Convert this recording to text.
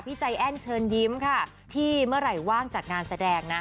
ใจแอ้นเชิญยิ้มค่ะที่เมื่อไหร่ว่างจัดงานแสดงนะ